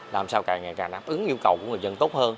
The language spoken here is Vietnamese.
làm sao càng ngày càng đáp ứng yêu cầu của người dân tốt hơn